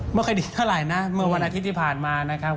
ไม่ค่อยดีเท่าไหร่นะเมื่อวันอาทิตย์ที่ผ่านมานะครับ